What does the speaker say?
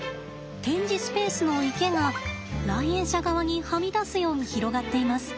展示スペースの池が来園者側にはみ出すように広がっています。